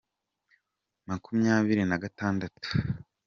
Makumyabiri na gatandatu